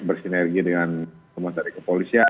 bersinergi dengan komunikasi kepolisian